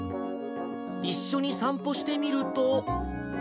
一緒に散歩してみると。